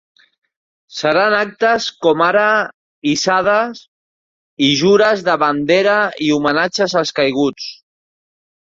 Seran actes com ara hissades i jures de bandera i homenatges als caiguts.